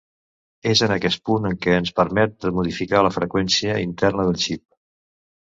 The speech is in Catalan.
És en aquest punt en què ens permet de modificar la freqüència interna del xip.